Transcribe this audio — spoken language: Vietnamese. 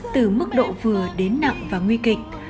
từ mức độ vừa đến nặng và nguy kịch